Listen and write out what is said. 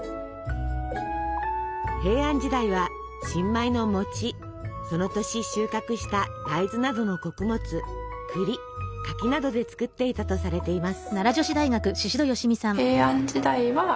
平安時代は新米のその年収穫した大豆などの穀物栗柿などで作っていたとされています。